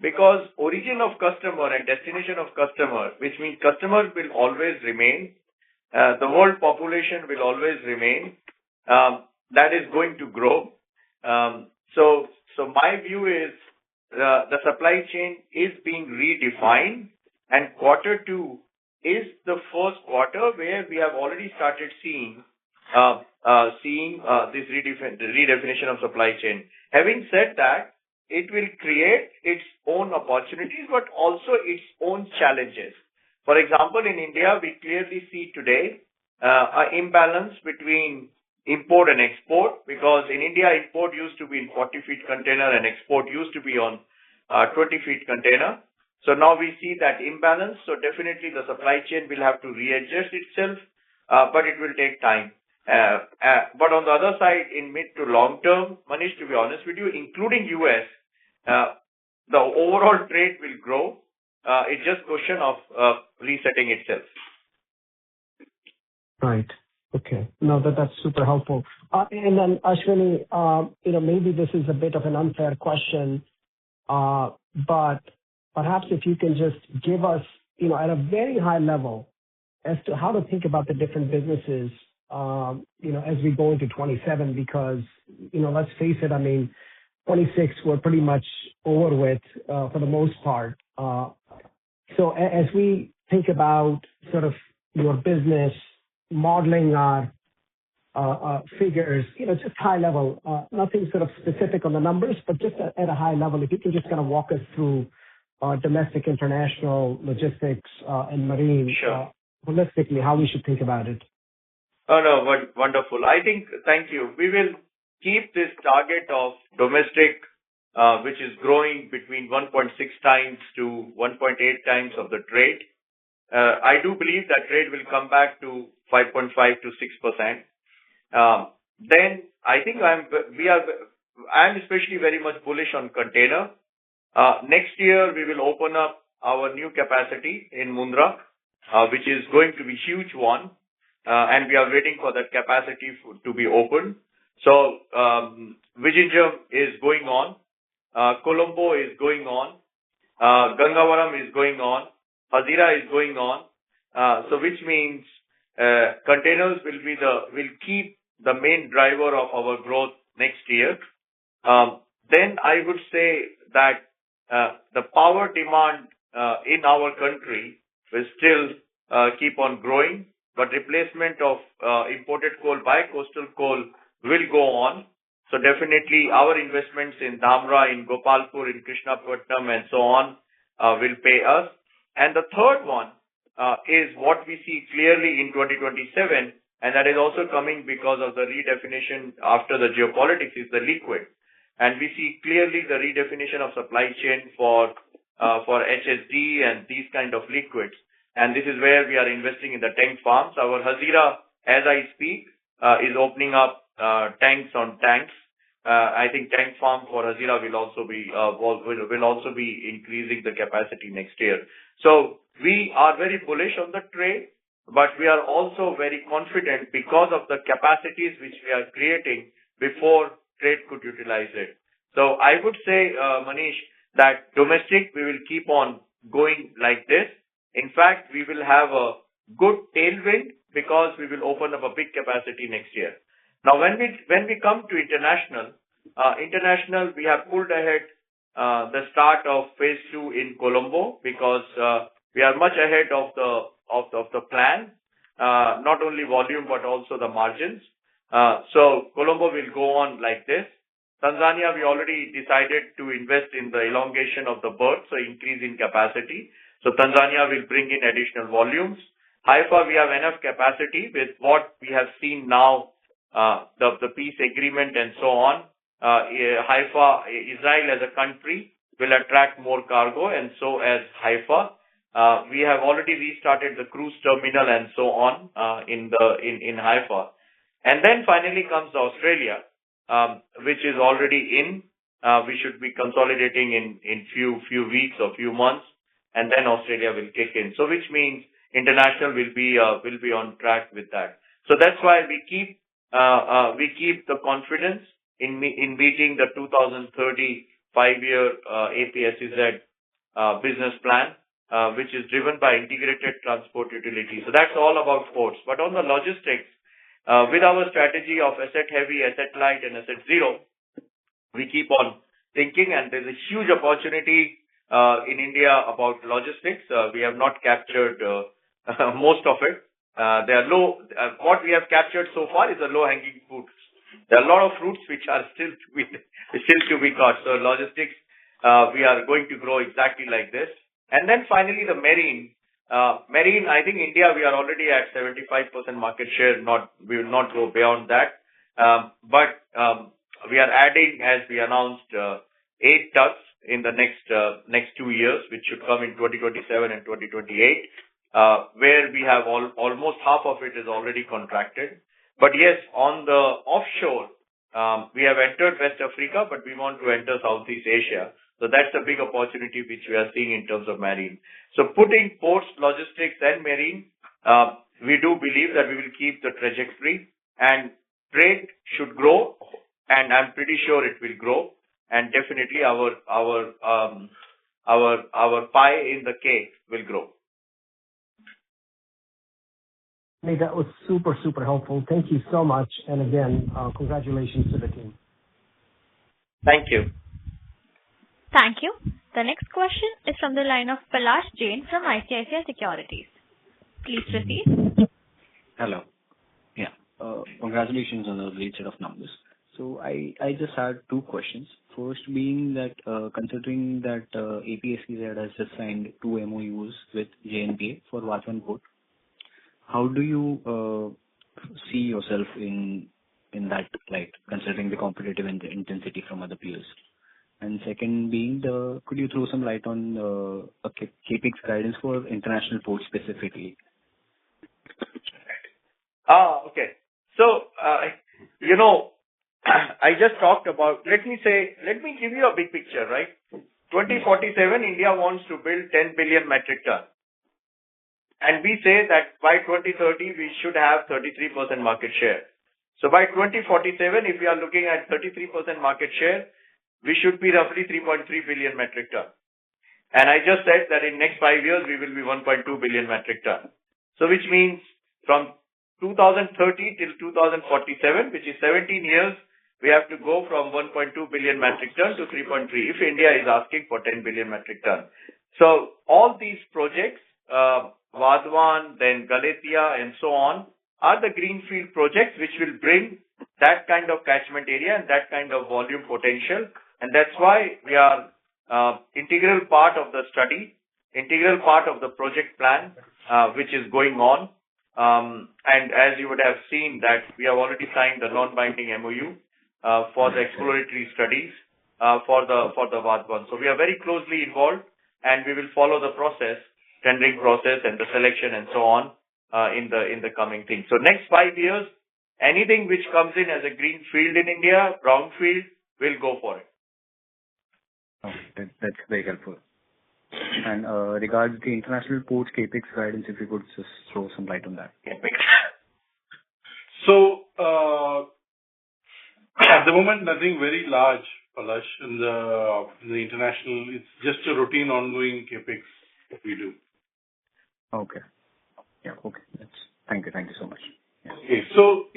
because origin of customer and destination of customer, which means customers will always remain. The whole population will always remain. That is going to grow. So my view is the supply chain is being redefined, and quarter two is the first quarter where we have already started seeing this redefinition of supply chain. Having said that, it will create its own opportunities, but also its own challenges. For example, in India, we clearly see today an imbalance between import and export because in India, import used to be in 40 ft container and export used to be on 20 ft container. So now we see that imbalance. So definitely, the supply chain will have to readjust itself, but it will take time. But on the other side, in mid to long term, Manish, to be honest with you, including U.S., the overall trade will grow. It's just a question of resetting itself. Right. Okay. No, that's super helpful. Then, Ashwani, maybe this is a bit of an unfair question, but perhaps if you can just give us, at a very high level, as to how to think about the different businesses as we go into 2027 because let's face it, I mean, 2026, we're pretty much over with for the most part. So as we think about sort of your business modeling our figures, just high level, nothing sort of specific on the numbers, but just at a high level, if you can just kind of walk us through domestic, international, logistics, and marine holistically, how we should think about it. Oh, no. Wonderful. I think, thank you. We will keep this target of domestic, which is growing between 1.6-1.8 times of the trade. I do believe that trade will come back to 5.5%-6%. I think I'm especially very much bullish on container. Next year, we will open up our new capacity in Mundra, which is going to be a huge one, and we are waiting for that capacity to be opened. Vizhinjam is going on. Colombo is going on. Gangavaram is going on. Hazira is going on, which means containers will keep the main driver of our growth next year. I would say that the power demand in our country will still keep on growing, but replacement of imported coal by coastal coal will go on. So definitely, our investments in Dhamra, in Gopalpur, in Krishnapatnam, and so on will pay us. And the third one is what we see clearly in 2027, and that is also coming because of the redefinition after the geopolitics is the liquid. And we see clearly the redefinition of supply chain for HSD and these kind of liquids. And this is where we are investing in the tank farms. Our Hazira, as I speak, is opening up tanks on tanks. I think tank farm for Hazira will also be increasing the capacity next year. So we are very bullish on the trade, but we are also very confident because of the capacities which we are creating before trade could utilize it. So I would say, Manish, that domestic, we will keep on going like this. In fact, we will have a good tailwind because we will open up a big capacity next year. Now, when we come to international, international, we have pulled ahead the start of Phase 2 in Colombo because we are much ahead of the plan, not only volume but also the margins. So Colombo will go on like this. Tanzania, we already decided to invest in the elongation of the berth, so increase in capacity. So Tanzania will bring in additional volumes. Haifa, we have enough capacity with what we have seen now, the peace agreement and so on. Haifa, Israel as a country will attract more cargo, and so as Haifa. We have already restarted the cruise terminal and so on in Haifa, and then finally comes Australia, which is already in. We should be consolidating in a few weeks or a few months, and then Australia will kick in, which means international will be on track with that. So that's why we keep the confidence in meeting the 2030 five-year APSEZ business plan, which is driven by integrated transport utility. So that's all about ports. But on the logistics, with our strategy of asset-heavy, asset-light, and asset-zero, we keep on thinking, and there's a huge opportunity in India about logistics. We have not captured most of it. What we have captured so far is the low-hanging fruits. There are a lot of fruits which are still to be caught. So logistics, we are going to grow exactly like this. And then finally, the marine. Marine, I think India, we are already at 75% market share. We will not go beyond that. But we are adding, as we announced, eight tugs in the next two years, which should come in 2027 and 2028, where we have almost half of it is already contracted. But yes, on the offshore, we have entered West Africa, but we want to enter Southeast Asia. So that's a big opportunity which we are seeing in terms of marine. So putting ports, logistics, and marine, we do believe that we will keep the trajectory, and trade should grow, and I'm pretty sure it will grow. And definitely, our pie in the cake will grow. That was super, super helpful. Thank you so much, and again, congratulations to the team. Thank you. Thank you. The next question is from the line of Palash Jain from ICICI Securities. Please proceed. Hello. Yeah. Congratulations on the great set of numbers. So I just had two questions. First being that considering that APSEZ has just signed two MOUs with JNP for Vadhavan Port, how do you see yourself in that light considering the competitive intensity from other peers? And second being, could you throw some light on the capex guidance for international ports specifically? Oh, okay, so I just talked about, let me give you a big picture, right? 2047, India wants to build 10 billion metric tons, and we say that by 2030, we should have 33% market share, so by 2047, if we are looking at 33% market share, we should be roughly 3.3 billion metric tons. And I just said that in the next five years, we will be 1.2 billion metric tons, so which means from 2030 till 2047, which is 17 years, we have to go from 1.2 billion metric tons to 3.3 if India is asking for 10 billion metric tons, so all these projects, Vadhavan, then Galathea, and so on, are the greenfield projects which will bring that kind of catchment area and that kind of volume potential. That's why we are an integral part of the study, integral part of the project plan which is going on. As you would have seen, we have already signed the non-binding MOU for the exploratory studies for the Vadhavan. We are very closely involved, and we will follow the process, tendering process, and the selection and so on in the coming things. Next five years, anything which comes in as a greenfield in India, brownfield, we'll go for it. That's very helpful. And regards to international ports, Capex guidance, if you could just throw some light on that. So, at the moment, nothing very large, Palash, in the international. It's just a routine ongoing Capex we do. Okay. Yeah. Okay. Thank you. Thank you so much. Okay. So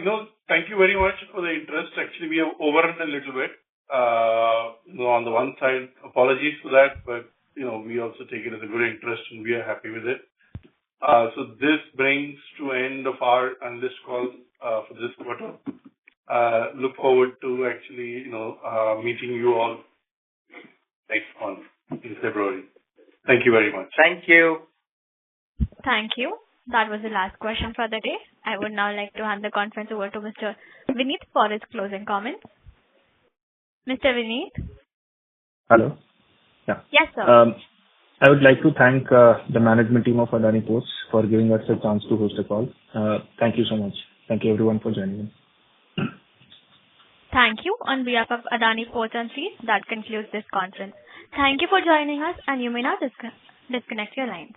thank you very much for the interest. Actually, we have overrun a little bit on the one side. Apologies for that, but we also take it as a great interest, and we are happy with it. So this brings to an end of our last call for this quarter. Look forward to actually meeting you all next month in February. Thank you very much. Thank you. Thank you. That was the last question for the day. I would now like to hand the conference over to Mr. Vineet for his closing comments. Mr. Vineet? Hello. Yeah. Yes, sir. I would like to thank the management team of Adani Ports for giving us a chance to host a call. Thank you so much. Thank you, everyone, for joining us. Thank you. On behalf of Adani Ports and SEZ, that concludes this conference. Thank you for joining us, and you may now disconnect your lines.